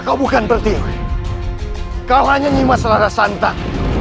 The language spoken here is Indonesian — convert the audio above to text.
kau bukan pertiwi kau hanya nyimah sarah santan